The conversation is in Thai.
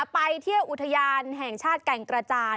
ไปเที่ยวอุทยานแห่งชาติแก่งกระจาน